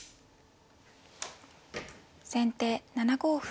先手７五歩。